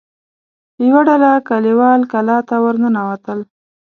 يوه ډله کليوال کلا ته ور ننوتل.